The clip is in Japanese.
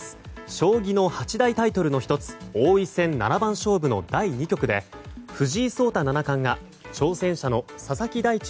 将棋の八大タイトルの１つ王位戦七番勝負の第２局で藤井聡太七冠が挑戦者の佐々木大地